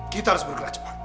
kita harus bergerak cepat